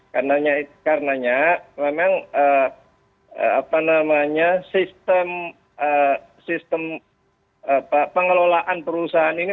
karena memang sistem pengelolaan perusahaan ini